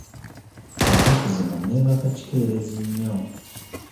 Ennaku zino neebaka kikeerezi nnyo.